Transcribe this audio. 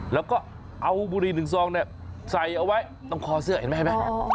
แล้วก็เอาบุรีหนึ่งซองเนี่ยใส่เอาไว้ตรงคอเสื้อเห็นไหมเห็นไหม